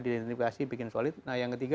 diidentifikasi bikin solid nah yang ketiga